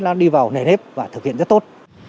nó đi vào nền hếp và thực hiện rất tốt